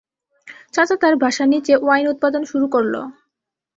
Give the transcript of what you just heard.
চাচা তার বাসার নিচে ওয়াইন উৎপাদন শুরু করল।